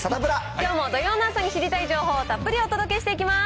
きょうも土曜の朝に知りたい情報をたっぷりお届けしていきます。